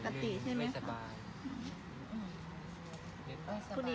พี่ตุ๊กพี่หมูผ่าเจ้าของมา